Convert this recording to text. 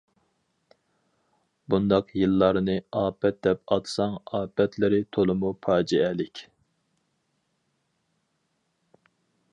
بۇنداق يىللارنى ئاپەت دەپ ئاتىساڭ ئاپەتلىرى تولىمۇ پاجىئەلىك.